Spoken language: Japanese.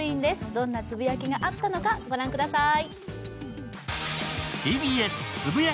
どんなつぶやきがあったのかご覧ください。